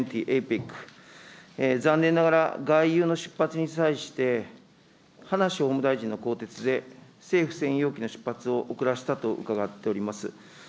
ＡＳＥＡＮ、Ｇ２０、ＡＰＥＣ、残念ながら外遊の出発に際して、葉梨法務大臣の更迭で、政府専用機の出発を後らせたと伺っております。